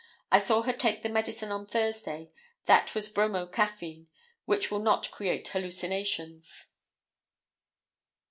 I saw her take the medicine on Thursday; that was bromo caffeine, which will not create hallucinations."